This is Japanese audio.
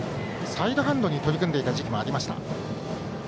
サイドハンドに取り組んでいた時期もありました。